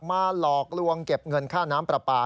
หลอกลวงเก็บเงินค่าน้ำปลาปลา